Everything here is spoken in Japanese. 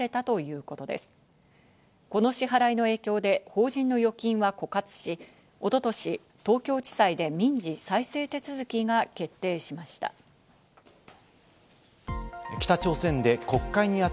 この支払いの影響で法人の預金は枯渇し、一昨年、東京地裁で民事再生手続きが決定しました。